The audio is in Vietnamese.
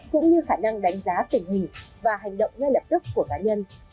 cũng như khả năng đánh giá tình hình và hành động ngay lập tức của cá nhân